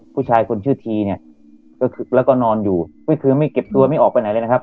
ผู้ชายคนชื่อทีเนี่ยก็คือแล้วก็นอนอยู่ก็คือไม่เก็บตัวไม่ออกไปไหนเลยนะครับ